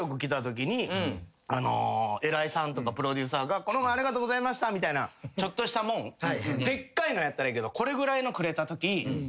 偉いさんとかプロデューサーが「この前ありがとうございました」みたいなちょっとした物でっかいのやったらいいけどこれぐらいのくれたとき